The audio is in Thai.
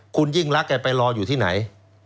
คุณยิ่งรักแกไปรออยู่ที่ไหน